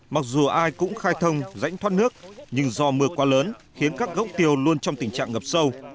mặc dù ai cũng khai thông rãnh thoát nước nhưng do mưa quá lớn khiến các gốc tiêu luôn trong tình trạng ngập sâu